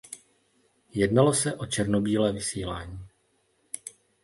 Jednalo se o černobílé vysílání.